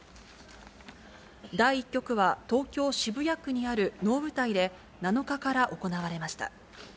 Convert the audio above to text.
第１局は、東京・渋谷区にある能舞台で７日から行われました。